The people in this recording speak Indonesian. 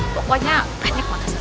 pokoknya banyak makanan